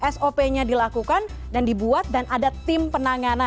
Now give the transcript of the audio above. sop nya dilakukan dan dibuat dan ada tim penanganan